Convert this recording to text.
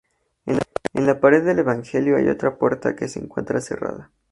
En la pared del Evangelio hay otra una puerta que se encuentra cerrada.